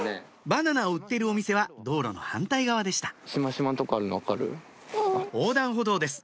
バナナを売ってるお店は道路の反対側でした横断歩道です